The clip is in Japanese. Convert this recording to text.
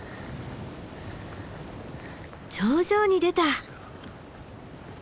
頂上に出た！